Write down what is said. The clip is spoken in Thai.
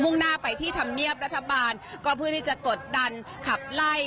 ่งหน้าไปที่ธรรมเนียบรัฐบาลก็เพื่อที่จะกดดันขับไล่